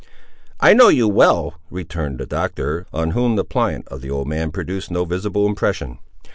"I know you well," returned the Doctor, on whom the plaint of the old man produced no visible impression.